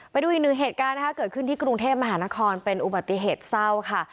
ไปดูอีกหนึ่งเหตุการณ์นะคะเกิดขึ้นที่กรุงเทพมหานครเป็นอุบัติเหตุเศร้าค่ะ